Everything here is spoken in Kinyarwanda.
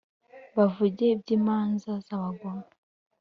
Bavuge iby`imanza z`abagome.